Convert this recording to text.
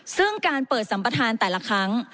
ซึ่งการเปิดสัมประธานแต่ละครั้ง